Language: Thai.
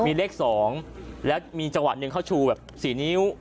มีเลขสองและมีจังหวะหนึ่งเขาชูแบบสี่นิ้ว